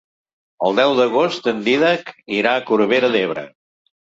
El deu d'agost en Dídac irà a Corbera d'Ebre.